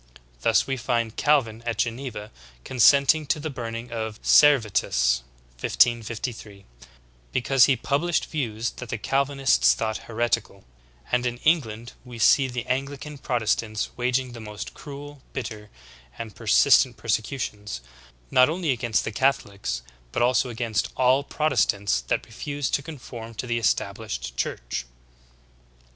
Thus we find Calvin at Geneva consenting to the burn ing of Servetus (1553) because he published views that the Calvinists thought heretical ; and in England we see the x\n glican Protestants waging the most cruel, bitter, and persist ent persecutions, not only against the Catholics but also against all Protestants that refused to conform to the Estab lished Church."'